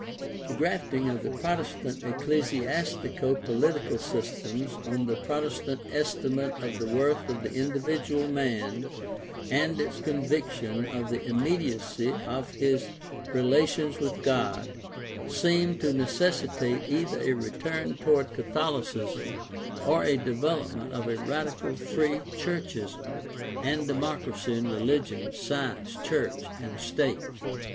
The grafting of the Protestant ecclesiastico political systems on the Protestant estimate of the worth of the indi vidual man and its conviction of the immediacy of his relations with God seemed to necessitate either a return toward Catholicism or a development of a radical Free churchism 4o6 GUIDE TO STUDY OF CHRISTIAN RELIGION and democracy in religion, science, church, and state.